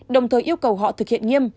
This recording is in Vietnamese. đồng thời yêu cầu họ thực hiện nghiêm